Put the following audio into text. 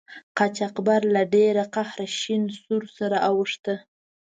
قاچاقبر له ډیره قهره شین سور سره اوښته.